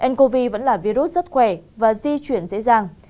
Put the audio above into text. ncov vẫn là virus rất khỏe và di chuyển dễ dàng